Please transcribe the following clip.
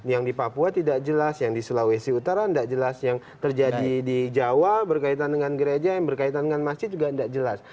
yang di papua tidak jelas yang di sulawesi utara tidak jelas yang terjadi di jawa berkaitan dengan gereja yang berkaitan dengan masjid juga tidak jelas